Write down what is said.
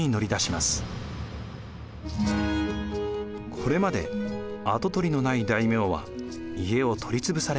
これまで跡取りのない大名は家を取りつぶされました。